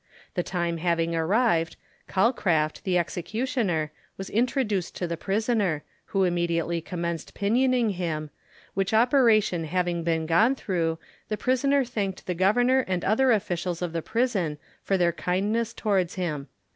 The time having arrived, Calcraft, the executioner, was introduced to the prisoner, who immediately commenced pinioning him, which operation having been gone through, the prisoner thanked the governor and other officials of the prison for their kindness towards him.